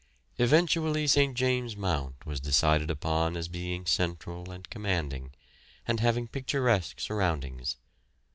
Eventually St. James' Mount was decided upon as being central and commanding, and having picturesque surroundings.